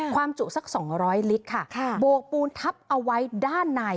จุสัก๒๐๐ลิตรค่ะโบกปูนทับเอาไว้ด้านใน